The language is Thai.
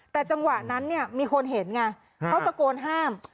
แต่จังหวะนั้นเนี่ยมีคนเห็นไงเขาตะโกนห้าม